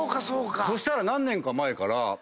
そしたら何年か前からＡＩ児嶋